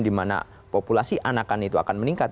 di mana populasi anakan itu akan meningkat